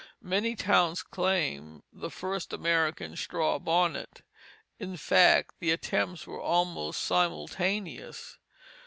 Many towns claim the first American straw bonnet; in fact, the attempts were almost simultaneous.